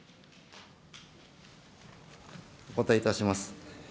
お答えいたします。